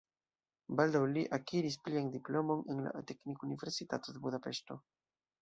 Baldaŭ li akiris plian diplomon en la Teknikuniversitato de Budapeŝto.